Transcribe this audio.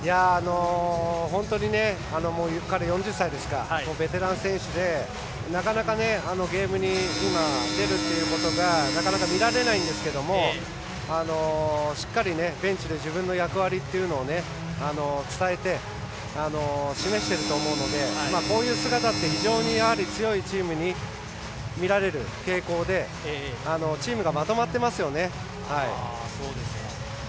本当に彼、４０歳でベテラン選手でなかなか、ゲームに今出るということが見られないんですけどしっかりベンチで自分の役割というのを伝えて、示していると思うのでこういう姿って非常に強いチームに見られる傾向でチームがまとまってますよね。